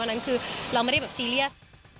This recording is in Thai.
นั้นคือเราไม่ได้แบบซีเรียส